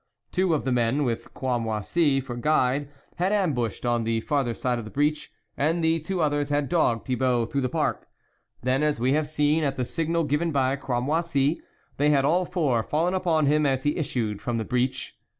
Two of the men, with Cramoisi for guide, had ambushed on the farther side of the breach, and the two others had dogged Thibault through the park. Then as we have seen, at the signal given by Cramoisi, they had all four fallen upon him as he issued from the breach.